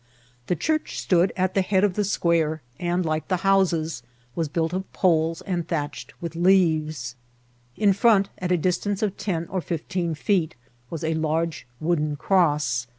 The church stood at the hea4 of the squarci and^ like the homes, was built of poles and thatched with leaves* In front, at a distance of ten or fifteen feet, was a large wooden cross.